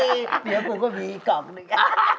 เฮ่ยเดี๋ยวกูก็มีอีกกล่องหนึ่ง